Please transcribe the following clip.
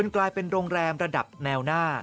กลายเป็นโรงแรมระดับแนวหน้า